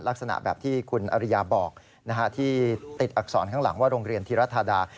ลักษณะแบบที่คุณอริยาบอกที่ติดอักษรข้างหลังว่าโรงเรียนธิรธาดา